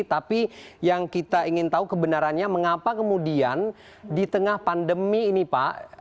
tapi yang kita ingin tahu kebenarannya mengapa kemudian di tengah pandemi ini pak